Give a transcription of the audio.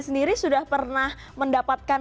sendiri sudah pernah mendapatkan